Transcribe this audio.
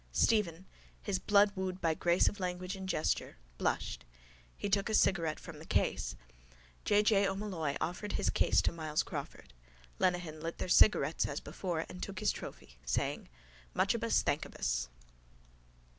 Stephen, his blood wooed by grace of language and gesture, blushed. He took a cigarette from the case. J. J. O'Molloy offered his case to Myles Crawford. Lenehan lit their cigarettes as before and took his trophy, saying: —Muchibus thankibus.